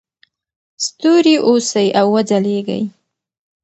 ستوري اوسئ او وځلیږئ.